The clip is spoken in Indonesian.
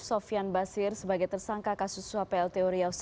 sofian basir sebagai tersangka kasus sua plt